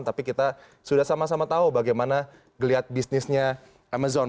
tapi kita sudah sama sama tahu bagaimana geliat bisnisnya amazon